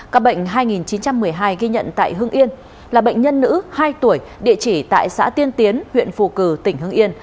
ca bệnh hai nghìn chín trăm một mươi hai ghi nhận tại hưng yên là bệnh nhân nữ hai tuổi địa chỉ tại xã tiên tiến huyện phù cử tỉnh hưng yên